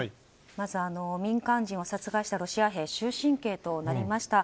まず民間人を殺害したロシア兵終身刑となりました。